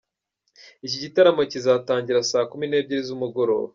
Iki gitaramo kizatangira saa kumi n'ebyili z'umugoroba.